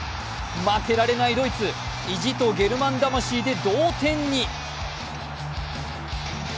負けられないドイツ、意地とゲルマン魂で同点に。